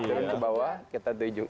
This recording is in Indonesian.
turun ke bawah kita tuju